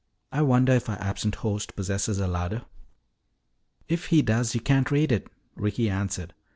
I wonder if our absent host possesses a larder?" "If he does, you can't raid it," Ricky answered.